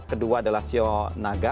kedua adalah sio naga